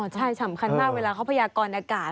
ใช่สำคัญมากเวลาเขาพยากรอากาศ